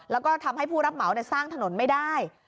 แล้วก็ทำให้ผู้รับเหมาสร้างถนนไม่ได้